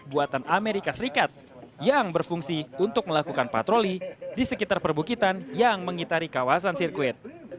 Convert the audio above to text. buatan amerika serikat yang berfungsi untuk melakukan patroli di sekitar perbukitan yang mengitari kawasan sirkuit